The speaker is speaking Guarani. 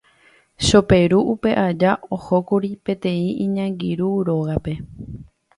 Choperu upe aja ohókuri peteĩ iñangirũ rópape.